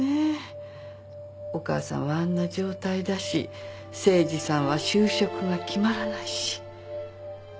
お母さんはあんな状態だし誠治さんは就職が決まらないし。